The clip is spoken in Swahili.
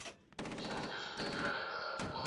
kwa sheria kali mpya na wanajeshi wao walianza